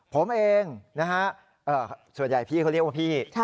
ผมเองนะฮะส่วนใหญ่พี่เขาเรียกว่าพี่